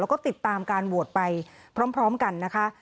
แล้วก็ติดตามการโหวตไปพร้อมกันนะคะ